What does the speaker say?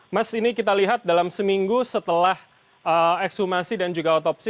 mas ini kita lihat dalam seminggu setelah ekshumasi dan juga otopsi